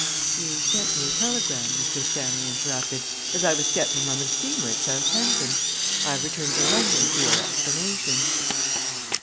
"You sent me a telegram," Mr. Stanley interrupted, "as I was stepping on the steamer at Southampton. I have returned to London for your explanation."